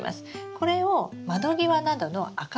これを窓際などの明るい場所